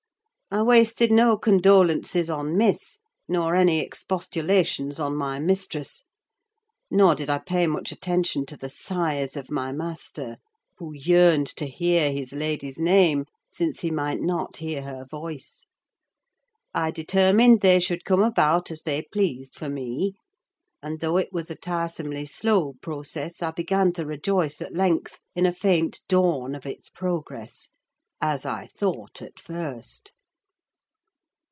I wasted no condolences on Miss, nor any expostulations on my mistress; nor did I pay much attention to the sighs of my master, who yearned to hear his lady's name, since he might not hear her voice. I determined they should come about as they pleased for me; and though it was a tiresomely slow process, I began to rejoice at length in a faint dawn of its progress: as I thought at first.